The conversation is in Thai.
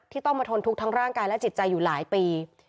ต้องมาทนทุกข์ทั้งร่างกายและจิตใจอยู่หลายปี